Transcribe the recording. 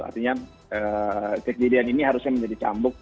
artinya kejadian ini harusnya menjadi cambuk